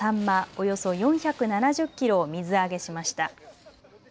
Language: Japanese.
およそ４７０キロを水揚げしました。